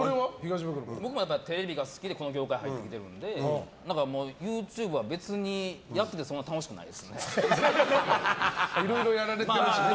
僕はテレビが好きでこの業界に入ってきてるんでＹｏｕＴｕｂｅは別に、やってていろいろやられてるしね。